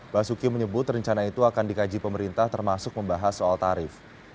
basuki menyebut rencana itu akan dikaji pemerintah termasuk membahas soal tarif